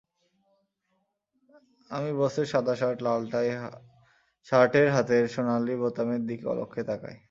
আমি বসের সাদা শার্ট, লাল টাই, শার্টের হাতের সোনালি বোতামের দিকে অলক্ষে তাকাই।